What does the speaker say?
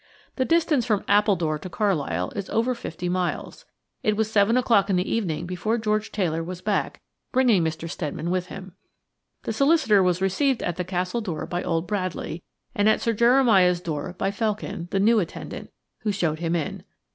The distance from Appledore to Carlisle is over fifty miles. It was seven o'clock in the evening before George Taylor was back, bringing Mr. Steadman with him. The solicitor was received at the Castle door by old Bradley, and at Sir Jeremiah's door by Felkin, the new attendant, who showed him in.